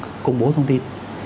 không có công bố thông tin